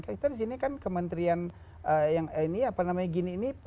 kita di sini kan kementerian yang ini apa namanya gini ini